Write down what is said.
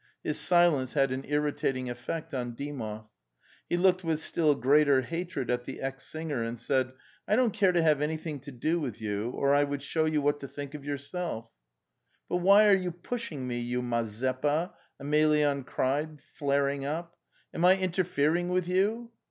His silence had an ir ritating effect on Dymov. He looked with still greater hatred at the ex singer and said: '"'T don't care to have anything to do with you, or I would show you what to think of yourself." '" But why are you pushing me, you Mazeppa?"' Emelyan cried, flaring up. '' Am I interfering with you?"